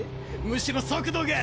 むしろ速度が。